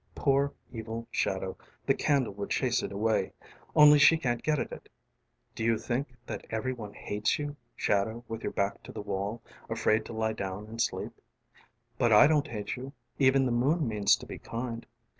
Poor evil shadow, the candle would chase it away only she can't get at it. Do you think that every one hates you, shadow with your back to the wall, afraid to lie down and sleep? But I don't hate you. Even the moon means to be kind.